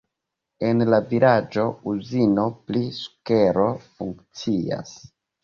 En la vilaĝo uzino pri sukero funkcias.